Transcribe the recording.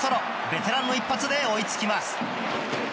ベテランの一発で追いつきます。